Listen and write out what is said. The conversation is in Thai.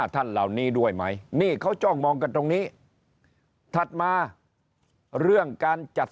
ท่านเหล่านี้ด้วยไหมนี่เขาจ้องมองกันตรงนี้ถัดมาเรื่องการจัด